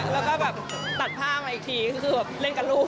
แล้วก็แบบตัดผ้ามาอีกทีก็คือแบบเล่นกับลูก